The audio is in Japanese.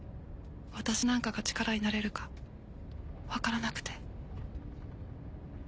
私なんかが力になれるか分からなくて」。